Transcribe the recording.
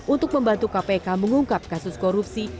untuk membantu kpk mengungkap kasus korupsi